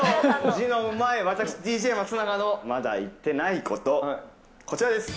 字のうまい私、ＤＪ松永のまだ言っていないこと、こちらです。